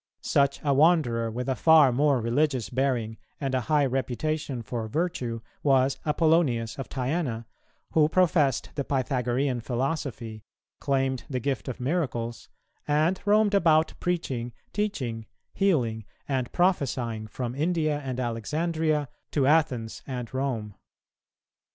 Such a wanderer, with a far more religious bearing and a high reputation for virtue, was Apollonius of Tyana, who professed the Pythagorean philosophy, claimed the gift of miracles, and roamed about preaching, teaching, healing, and prophesying from India and Alexandria to Athens and Rome.